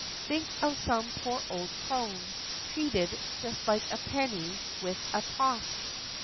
Think of some poor old crone Treated, just like a penny, with a toss!